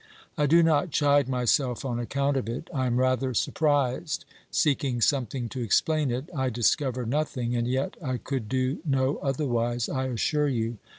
I do not chide myself on account of it. I am rather surprised ; seeking something to explain it, I discover nothing, and yet I could do no otherwise, I assure you.